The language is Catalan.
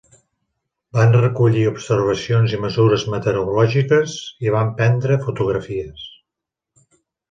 Van recollir observacions i mesures meteorològiques i van prendre fotografies.